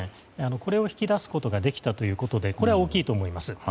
これを引き出すことができたということでこれは大きいと思います。